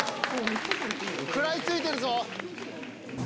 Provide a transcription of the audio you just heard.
食らいついてるぞ。